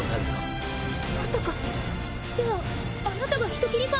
まさかじゃああなたが人斬り抜。